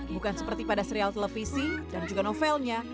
bukan seperti pada serial televisi dan juga novelnya